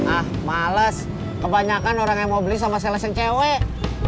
ah males kebanyakan orang yang mau beli sama sales yang cewek